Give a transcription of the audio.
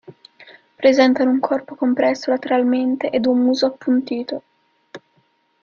Presentano un corpo compresso lateralmente ed un muso appuntito.